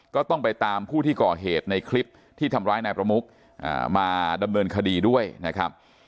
ก็ต้องไปตามผู้ที่ก่อเหตุในคลิปที่ทำร้ายนายประมุกมาดำเนินคดีด้วยนะครับ